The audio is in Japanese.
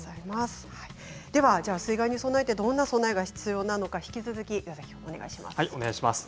水害に備えてどんな備えが必要なのか引き続き矢崎君、お願いします。